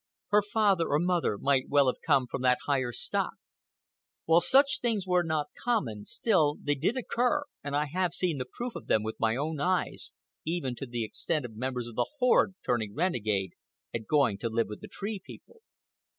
Her father, or mother, might well have come from that higher stock. While such things were not common, still they did occur, and I have seen the proof of them with my own eyes, even to the extent of members of the horde turning renegade and going to live with the Tree People.